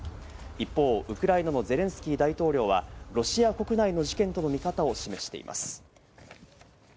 一方、ウクライナのゼレンスキー大統領はロシア国内の事件との見方を示しています。